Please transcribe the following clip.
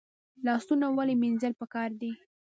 لاسونه ولې مینځل پکار دي؟